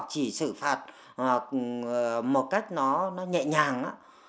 chỉ xử phạt một cách nó nhẹ nhàng